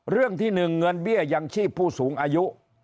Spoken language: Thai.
เรื่องที่๑เงินเบี้ยยังชีพผู้สูงอายุ